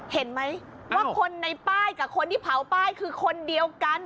เห็นไหมว่าคนในป้ายกับคนที่เผาป้ายคือคนเดียวกัน